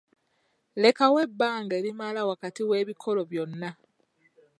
Lekawo ebbanga erimala wakati w'ebikolo byonna.